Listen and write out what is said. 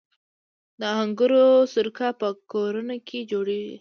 د انګورو سرکه په کورونو کې جوړیږي.